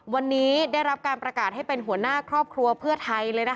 วันนี้ได้รับการประกาศให้เป็นหัวหน้าครอบครัวเพื่อไทยเลยนะคะ